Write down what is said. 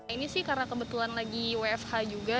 ini sih karena kebetulan lagi wfh juga